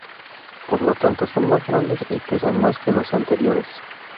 Por lo tanto son más grandes y pesan más que los anteriores.